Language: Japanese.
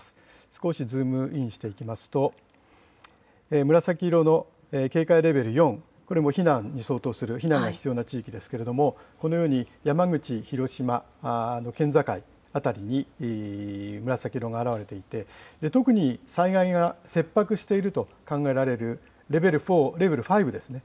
少しズームインしていきますと、紫色の警戒レベル４、これ、避難に相当する、避難が必要な地域ですけれども、このように山口、広島の県境辺りに紫色が現れていて、特に災害が切迫していると考えられるレベル４、レベル５ですね、黒い所ですか。